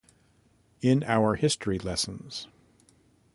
In our history lessons.